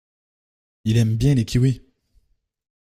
Il aime bien les kiwis.